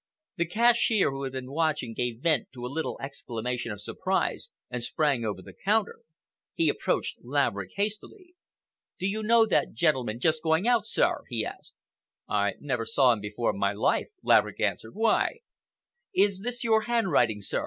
The cashier, who had been watching, gave vent to a little exclamation of surprise and sprang over the counter. He approached Laverick hastily. "Do you know that gentleman just going out, sir?" he asked. "I never saw him before in my life," Laverick answered. "Why?" "Is this your handwriting, sir?"